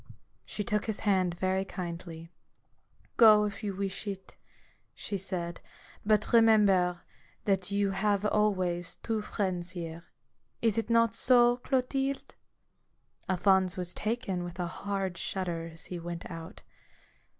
She took his hand very kindly. " Go, if you wish it," she said; " but remember that you have always two friends here. Is it not so, Clotilde ?" Alphonse was taken with a hard shudder as he went out.